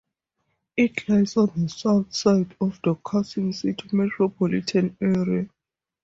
It lies on the south side of the Carson City metropolitan area.